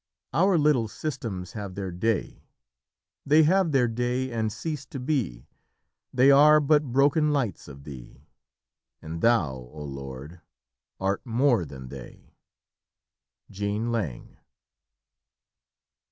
"Our little systems have their day; They have their day and cease to be, They are but broken lights of Thee, And Thou, oh Lord, art more than they." JEAN LANG.